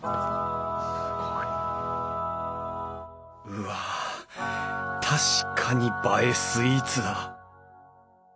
うわ確かに映えスイーツだ。